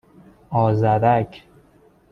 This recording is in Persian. آذرک